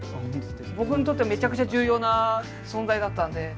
僕にとってはめちゃくちゃ重要な存在だったんで。